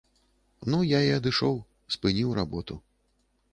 Ну я і адышоў, спыніў работу.